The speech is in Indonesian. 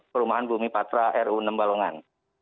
perumahan bumi patra ru enam balongan